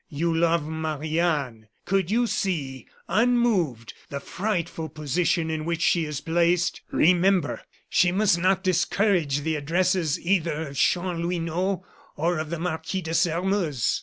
You love Marie Anne. Could you see, unmoved, the frightful position in which she is placed? Remember, she must not discourage the addresses either of Chanlouineau or of the Marquis de Sairmeuse.